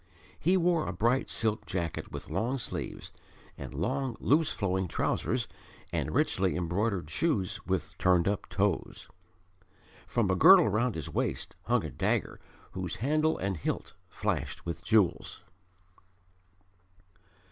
He wore a bright silk jacket with long sleeves, and long, loose flowing trousers and richly embroidered shoes with turned up toes. From a girdle round his waist hung a dagger whose handle and hilt flashed with jewels.